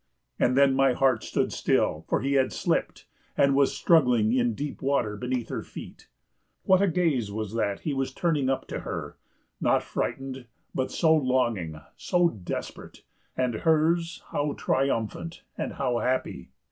And then my heart stood still, for he had slipped and was struggling in deep water beneath her feet. What a gaze was that he was turning up to her—not frightened, but so longing, so desperate; and hers how triumphant, and how happy!